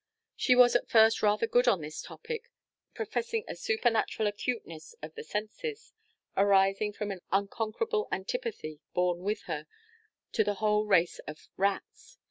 She was at first rather good on this topic, professing a supernatural acuteness of the senses, arising from an unconquerable antipathy, born with her, to the whole race of rats.